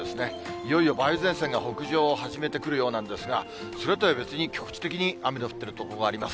いよいよ梅雨前線が北上を始めてくるようなんですが、それとは別に局地的に雨の降っている所があります。